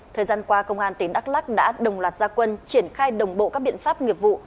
thời gian qua công an tỉnh đắk lắc đã đồng loạt gia quân triển khai đồng bộ các biện pháp nghiệp vụ